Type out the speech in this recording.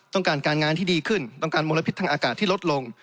ต้องการการงานที่ดีขึ้นต้องการมลพิษทางอากาศที่ลดลง